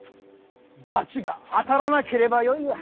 罰が当たらなければよいが。